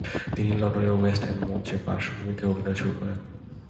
তিনি লন্ডনের West End মঞ্চে পার্শ্ব ভূমিকায় অভিনয় শুরু করেন।